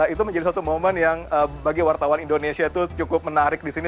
itu menjadi satu momen yang bagi wartawan indonesia itu cukup menarik di sini